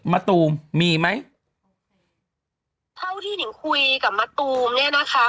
มะตูมมีไหมเท่าที่หนิงคุยกับมะตูมเนี้ยนะคะ